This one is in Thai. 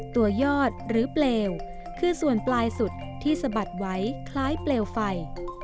ตัวยอดหรือเปลวคือส่วนปลายสุดที่สะบัดไว้คล้ายเปลวไฟ